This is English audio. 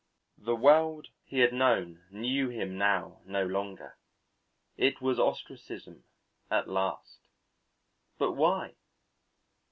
The world he had known knew him now no longer. It was ostracism at last. But why?